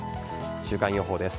週間予報です。